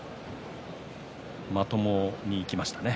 まともにいきましたね。